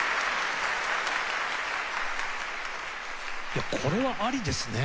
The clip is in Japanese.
いやこれはありですね。